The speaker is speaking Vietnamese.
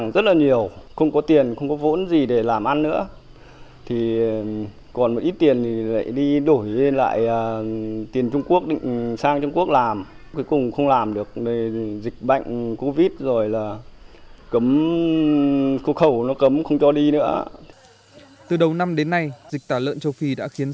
từ đầu năm đến nay dịch tả lợn châu phi đã khiến sáu trăm ba mươi hộ chăn nuôi